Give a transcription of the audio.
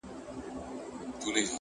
ه یاره ولي چوپ یې مخکي داسي نه وې؛